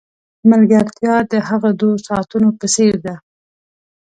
ملګرتیا د هغو دوو ساعتونو په څېر ده.